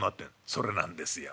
「それなんですよ。